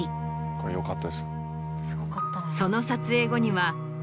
これよかったです。